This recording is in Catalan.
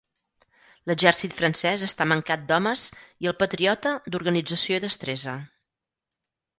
L'exèrcit francès està mancat d'homes i el patriota, d'organització i destresa.